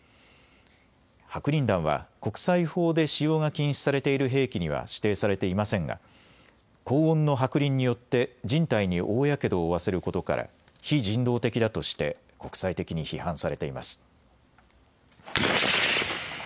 白リン弾は国際法で使用が禁止されている兵器には指定されていませんが高温の白リンによって人体に大やけどを負わせることから非人道的だとして国際的に批判されています。